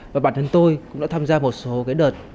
và bản thân tôi cũng đã tham gia một số cái đợt